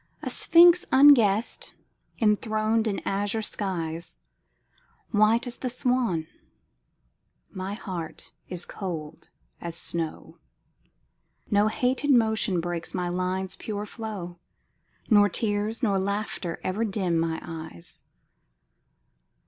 A sphinx unguessed, enthroned in azure skies, White as the swan, my heart is cold as snow; No hated motion breaks my lines' pure flow, Nor tears nor laughter ever dim mine eyes.